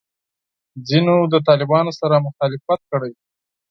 ځینو له طالبانو سره مخالفت کړی دی.